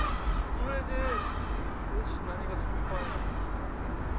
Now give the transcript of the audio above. それで何が心配なんですか？